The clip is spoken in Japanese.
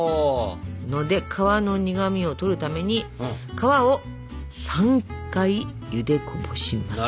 ので皮の苦みをとるために皮を３回ゆでこぼします。